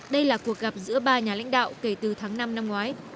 đây là cuộc gặp giữa ba nhà lãnh đạo kể từ tháng năm năm ngoái